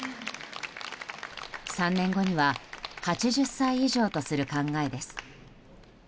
３年後には８０歳以上とする考えです。